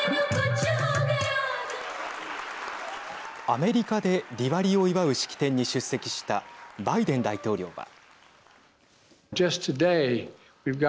アメリカでディワリを祝う式典に出席したバイデン大統領は。